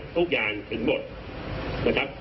ทุกอย่างถึงหมดนะครับ